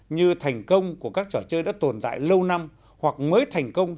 như thành công của các trò chơi đã tồn tại lâu năm hoặc mới thành công